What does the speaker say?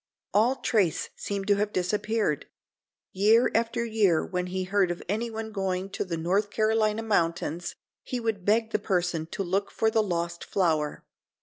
All trace seemed to have disappeared. Year after year when he heard of anyone going to the North Carolina mountains he would beg the person to look for the lost flower.